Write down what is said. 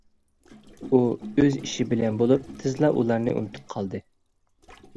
ئۇ ئۆز ئىشى بىلەن بولۇپ تىزلا ئۇلارنى ئۇنتۇپ قالدى.